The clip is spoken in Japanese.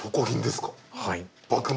はい。